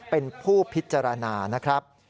เป็นผู้พิจารณานะครับ